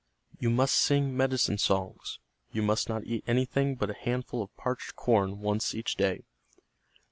You must sing medicine songs. You must not eat anything but a handful of parched corn once each day.